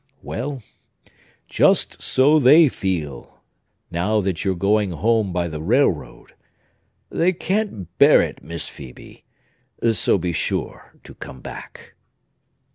Well, just so they feel, now that you're going home by the railroad! They can't bear it, Miss Phœbe; so be sure to come back!"